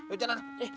ayo jangan lah